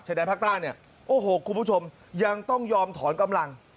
แดนภาคใต้เนี่ยโอ้โหคุณผู้ชมยังต้องยอมถอนกำลัง